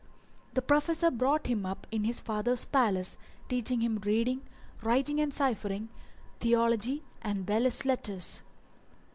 The professor brought him up in his father's palace teaching him reading, writing and cyphering, theology and belles lettres.